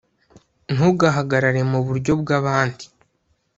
ntugahagarare muburyo bwabandi